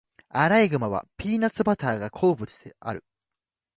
アライグマはピーナッツバターが好物である。